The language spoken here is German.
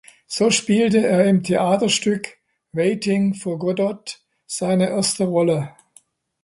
So spielte er im Theaterstück "Waiting for Godot" seine erste Rolle.